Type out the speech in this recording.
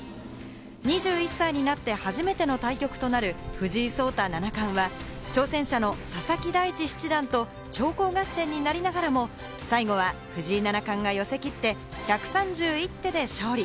２１歳になって初めての対局となる藤井聡太七冠は、挑戦者の佐々木大地七段と長考合戦になりながらも、最後は藤井七冠が寄せ切って、１３１手で勝利。